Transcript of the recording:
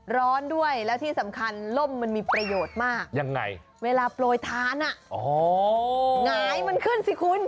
ร้อนด้วยแล้วที่สำคัญล่มมันมีประโยชน์มากยังไงเวลาโปรยทานหงายมันขึ้นสิคุณ